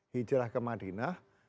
hijrah ke madinah